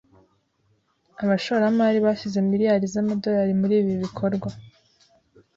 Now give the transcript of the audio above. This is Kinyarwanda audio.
Abashoramari bashyize miliyari z'amadorari muri ibi bikorwa